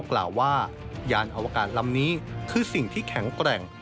กล่าวว่ายานอวกาศลำนี้คือสิ่งที่แข็งแกร่ง